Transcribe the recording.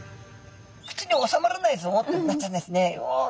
口に納まらないぞってなったんですね。